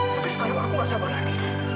tapi sekarang aku gak sabar lagi